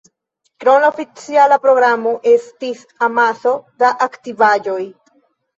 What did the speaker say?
Krom la oficiala programo estis amaso da aktivaĵoj.